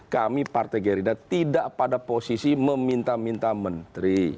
kami partai gerindra tidak pada posisi meminta minta menteri